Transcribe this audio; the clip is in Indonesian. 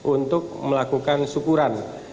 untuk melakukan sukuran